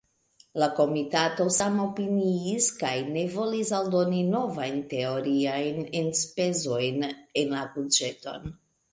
La Komitato samopiniis, kaj ne volis aldoni novajn teoriajn enspezojn en la buĝeton.